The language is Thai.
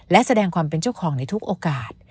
และแสดงความเป็นเจ้าของในทุกโอกาส